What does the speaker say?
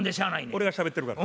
俺がしゃべってるから。